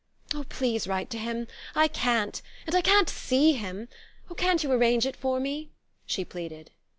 "Oh, please write to him I can't! And I can't see him! Oh, can't you arrange it for me?" she pleaded.